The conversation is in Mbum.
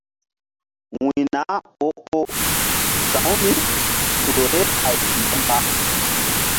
Wuy nah o-oh sa̧wu mí su vbeh hay mbamba.